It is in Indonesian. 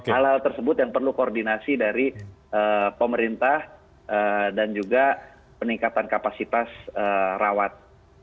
hal hal tersebut yang perlu koordinasi dari pemerintah dan juga peningkatan kapasitas rawat